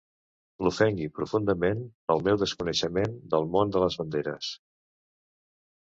L'ofengui profundament pel meu desconeixement del món de les banderes.